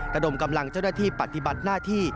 ระดมกำลังเจ้าหน้าที่ปฏิบัติหน้าที่